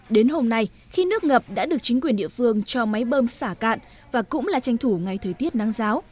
đến hôm nay khi nước ngập đã được chính quyền địa phương cho máy bơm xả cạn và cũng là tranh thủ ngày thời tiết nắng giáo